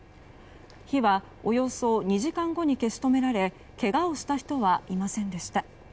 火はおよそ２時間後に消し止められけがをした人はいませんでした。